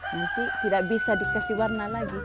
nanti tidak bisa dikasih warna lagi